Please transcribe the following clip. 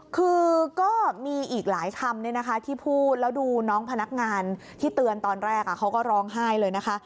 คือก็มีอีกหลายคำที่พูดแล้วดูน้องพนักงานที่เตือนตอนแรกเขาก็ร้องไห้เลยนะคะ